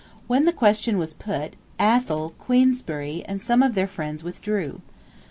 When the question was put, Athol, Queensberry, and some of their friends withdrew.